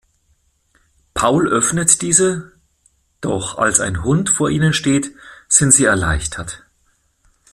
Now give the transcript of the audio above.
Paul öffnet diese, doch als ein Hund vor ihnen steht, sind sie erleichtert.